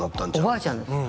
おばあちゃんです